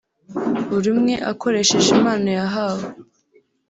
buri umwe akoresheje impano yahawe